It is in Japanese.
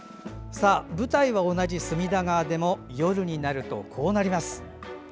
舞台は同じ隅田川でも夜になると、こうなります。